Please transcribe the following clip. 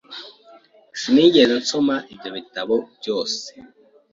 Sinigeze nsoma ibyo bitabo byose.